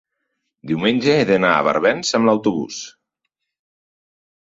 diumenge he d'anar a Barbens amb autobús.